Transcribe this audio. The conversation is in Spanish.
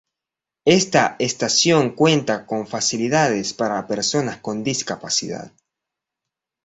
Esta estación cuenta con facilidades para personas con discapacidad.